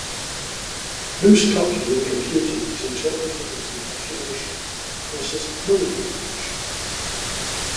Loose coupling in computing is interpreted as encapsulation versus non-encapsulation.